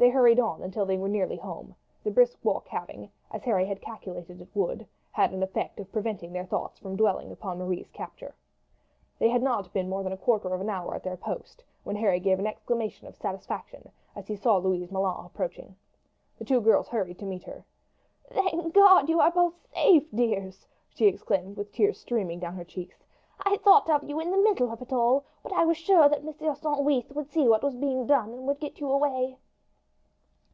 They hurried on until they were nearly home, the brisk walk having, as Harry had calculated it would do, had the effect of preventing their thoughts from dwelling upon Marie's capture. They had not been more than a quarter of an hour at their post when Harry gave an exclamation of satisfaction as he saw Louise Moulin approaching. The two girls hurried to meet her. "Thank God you are both safe, dears!" she exclaimed with tears streaming down her cheeks. "I thought of you in the middle of it all; but I was sure that Monsieur Sandwith would see what was being done and would get you away."